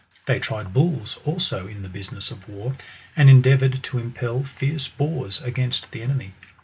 They tried bulls, also, in the business of war, and endea voured to impel fierce boars against the enemy.